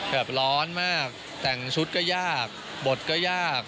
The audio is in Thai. แบบร้อนมากแต่งชุดก็ยากบทก็ยาก